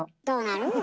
どうなる？